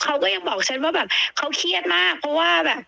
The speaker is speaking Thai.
เขาก็ยังบอกฉันว่าแบบเขาเครียดมากเพราะว่าแบบ